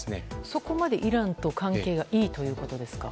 そこまでイランと関係がいいということですか？